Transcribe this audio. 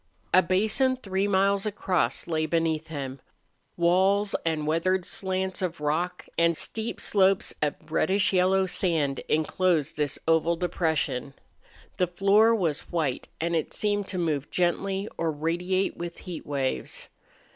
A basin three miles across lay beneath him. Walls and weathered slants of rock and steep slopes of reddish yellow sand inclosed this oval depression. The floor was white, and it seemed to move gently or radiate with heat waves.